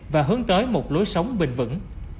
và hướng tới một lối sống bình vẩn